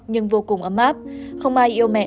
nhưng vô cùng ấm áp không ai yêu mẹ